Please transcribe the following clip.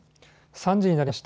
３時になりました。